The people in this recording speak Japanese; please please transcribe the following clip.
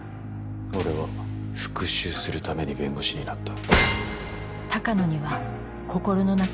俺は復讐するために弁護士になった。